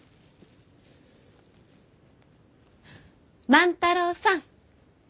万太郎さん！